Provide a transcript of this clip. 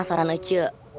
semua saran ece